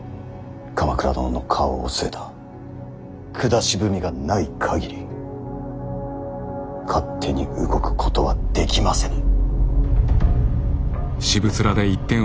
鎌倉殿の花押を据えた下文がない限り勝手に動くことはできませぬ。